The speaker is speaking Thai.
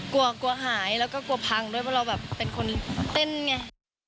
กลัวกลัวหายแล้วก็กลัวพังด้วยเพราะเราแบบเป็นคนเต้นไง